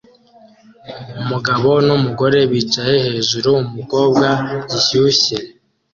Umugabo numugore bicaye hejuru-umukobwa gishyushye